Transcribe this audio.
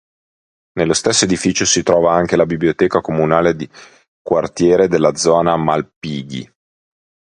Nello stesso edificio si trova anche la biblioteca comunale di quartiere della Zona Malpighi.